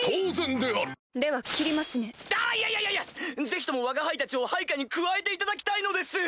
ぜひともわが輩たちを配下に加えていただきたいのです。